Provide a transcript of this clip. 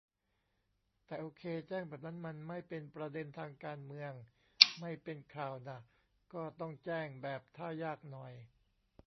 แต่โอเค แจ้งแบบนั้นมันไม่ "เป็นประเด็นทางการเมือง" ไม่เป็นข่าวน่ะ ก็ต้องแจ้งแบบท่ายากหน่อย